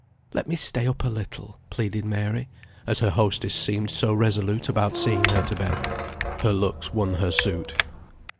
"Let me stay up a little," pleaded Mary, as her hostess seemed so resolute about seeing her to bed. Her looks won her suit.